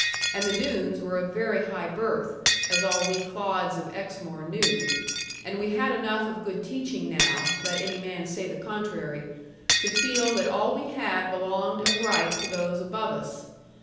And the Doones were of very high birth, as all we clods of Exmoor knew; and we had enough of good teaching now let any man say the contrary to feel that all we had belonged of right to those above us.